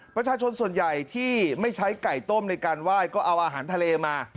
ประชาชนส่วนใหญ่ที่ไม่ใช้ไก่ต้มในการไหว้ก็เอาอาหารทะเลมา